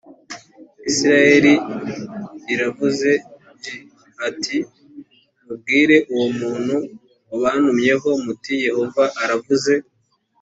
isirayeli aravuze g ati mubwire uwo muntu wabantumyeho muti yehova aravuze